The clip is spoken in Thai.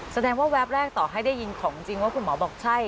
แสดงว่าแวบแรกต่อให้ได้ยินของจริงว่าคุณหมอบอกใช่